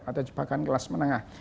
atau bahkan kelas menengah